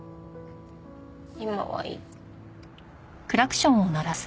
今はいい。